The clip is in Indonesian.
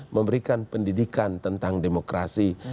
memberikan pendidikan tentang demokrasi